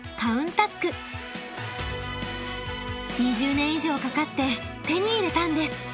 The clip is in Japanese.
２０年以上かかって手に入れたんです。